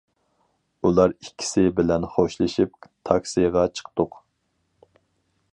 ئۇلار ئىككىسى بىلەن خوشلىشىپ تاكسىغا چىقتۇق.